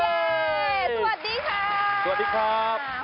สวัสดีครับ